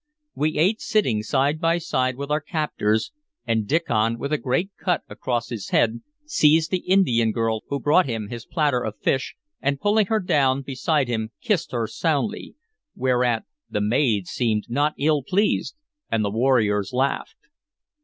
We ate sitting side by side with our captors, and Diccon, with a great cut across his head, seized the Indian girl who brought him his platter of fish, and pulling her down beside him kissed her soundly, whereat the maid seemed not ill pleased and the warriors laughed.